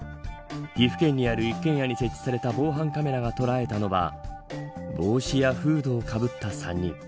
岐阜県にある一軒家に設置された防犯カメラが捉えたのは帽子やフードをかぶった３人。